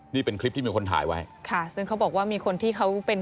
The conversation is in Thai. นี่เป็นคลิปที่มีคนถ่ายไว้ค่ะซึ่งเขาบอกว่ามีคนที่เขาเป็น